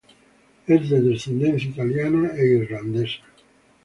Es de descendencia italiana e irlandesa.